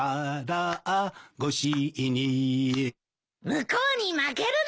向こうに負けるな！